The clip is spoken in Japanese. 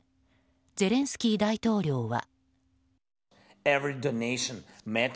ゼレンスキー大統領は。